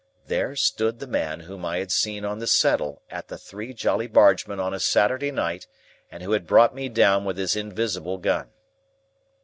There stood the man whom I had seen on the settle at the Three Jolly Bargemen on a Saturday night, and who had brought me down with his invisible gun!